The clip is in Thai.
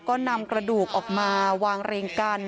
ก็นำกระดูกออกมาวางเรียงกัน